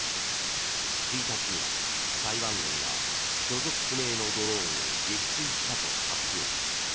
１日には台湾軍が所属不明のドローンを撃墜したと発表。